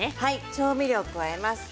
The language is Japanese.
調味料を加えます。